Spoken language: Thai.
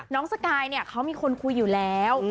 น้องสกายเขามีคนคุยอยู่แล้ว